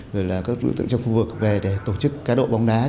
rồi là các đối tượng trong khu vực về để tổ chức cá độ bóng đá